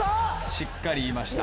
しっかり言いました。